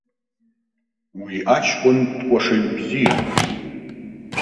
Уи аҷкәын дкәашаҩ бзиан.